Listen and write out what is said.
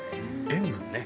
塩分ね